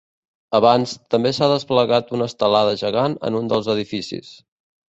Abans, també s’ha desplegat una estelada gegant en un dels edificis.